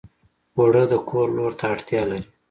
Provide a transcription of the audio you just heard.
اوړه د کور لور ته اړتیا لري